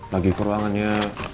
lagi ke ruangannya